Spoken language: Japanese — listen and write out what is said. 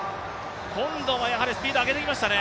今度はやはりスピードを上げてきましたね。